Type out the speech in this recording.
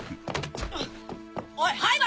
おい灰原！